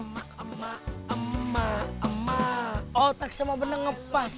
sama otak sama benang ngepas